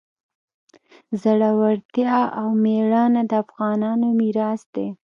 زړورتیا او میړانه د افغانانو میراث دی.